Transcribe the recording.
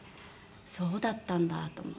そうだったんだと思って。